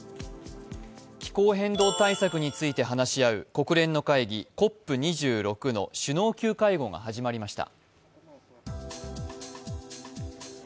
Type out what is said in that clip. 気候変動対策について話し合う国連の会議、ＣＯＰ２６の首脳級会合が始まりました。